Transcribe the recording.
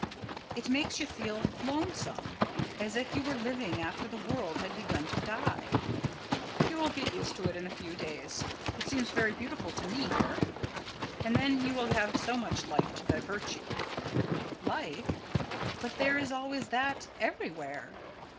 It makes you feel lonesome, as if you were living after the world had begun to die." "You'll get used to it in a few days. It seems very beautiful to me here. And then you will have so much life to divert you." "Life? But there is always that everywhere."